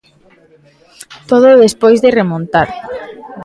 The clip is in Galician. Todo despois de remontar.